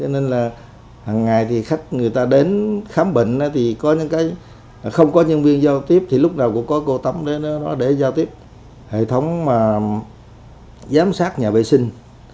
nên là hằng ngày thì khách người ta đến khám bệnh thì có những cái không có nhân viên giao tiếp thì lúc nào cũng có cô tắm để giao tiếp hệ thống mà giám sát nhà vệ sinh